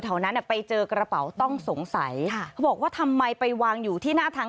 แถวนั้นอ่ะไปเจอกระเป๋าต้องสงสัยค่ะเขาบอกว่าทำไมไปวางอยู่ที่หน้าทาง